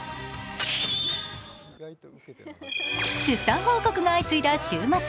出産報告が相次いだ週末。